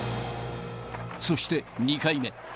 そして、２回目。